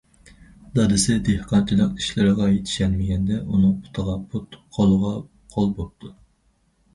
‹‹ دادىسى›› دېھقانچىلىق ئىشلىرىغا يېتىشەلمىگەندە، ئۇنىڭ پۇتىغا پۇت، قولىغا قول بوپتۇ.